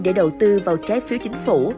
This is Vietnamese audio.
để đầu tư vào trái phiếu chính phủ